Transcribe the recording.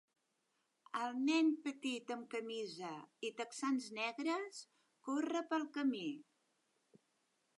El nen petit amb camisa i texans negres corre pel camí.